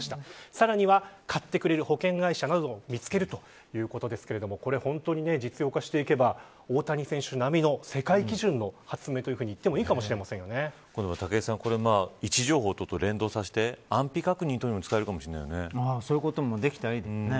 さらには買ってくれる保険会社なども見つけるということですが本当に実用化していけば大谷選手並みの世界基準の発明といっても武井さん位置情報と連動させて安否確認取るのにもそういうこともできたらいいですよね。